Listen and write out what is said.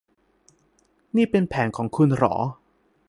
นี่เป็นแผนของคุณหรอ